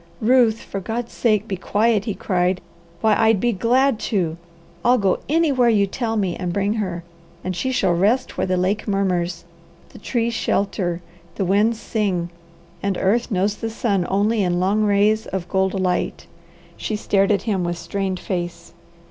"Ruth, for God's sake, be quiet!" he cried. "Why I'd be glad to! I'll go anywhere you tell me, and bring her, and she shall rest where the lake murmurs, the trees shelter, the winds sing, and earth knows the sun only in long rays of gold light." She stared at him with strained face.